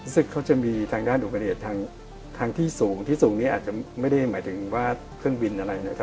ซึ่งเขาจะมีทางด้านอุบัติเหตุทางที่สูงที่สูงนี้อาจจะไม่ได้หมายถึงว่าเครื่องบินอะไรนะครับ